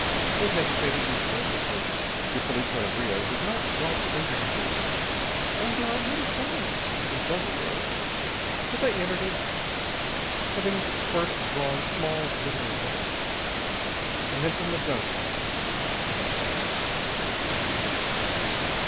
They hesitated, these men, because your policeman of Rio does not like to injure his uniform, and there are many thorns in jungle growths. But they entered it, having first drawn small glittering weapons. And then from the jungle came silence.